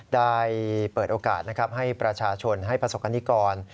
ได้เปิดโอกาสนะครับให้ประชาชนให้ประสบกรณิกร